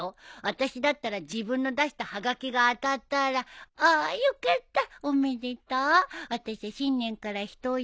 私だったら自分の出したはがきが当たったら「ああよかったおめでとうあたしゃ